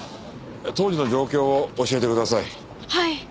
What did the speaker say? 当時の状況を教えてください。